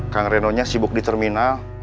kang renonya sibuk di terminal